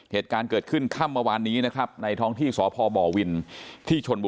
เหตุการณ์เกิดขึ้นคำมาวันนี้นะครับในท้องที่สวพบอ